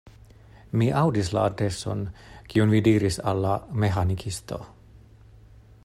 Mi aŭdis la adreson, kiun vi diris al la meĥanikisto.